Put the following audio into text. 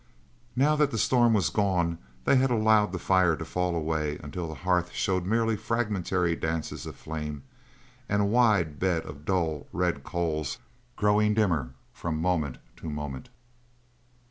Now that the storm was gone they had allowed the fire to fall away until the hearth showed merely fragmentary dances of flame and a wide bed of dull red coals growing dimmer from moment to moment.